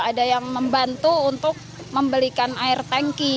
ada yang membantu untuk membelikan air tanki